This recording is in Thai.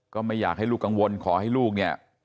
ก็ไม่อยากให้ลูกกังวลขอให้ลูกเนี่ย